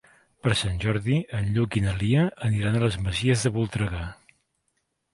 Per Sant Jordi en Lluc i na Lia aniran a les Masies de Voltregà.